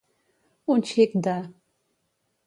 Un xic de.